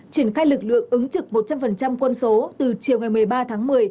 triển khai lực lượng ứng trực một trăm linh quân số từ chiều ngày một mươi ba tháng một mươi